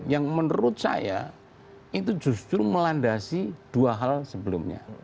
yang menurut saya itu justru melandasi dua hal sebelumnya